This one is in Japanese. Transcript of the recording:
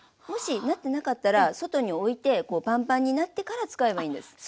もしなってなかったら外においてパンパンになってから使えばいいんです。